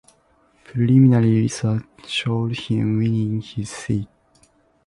Preliminary results showed him winning his seat.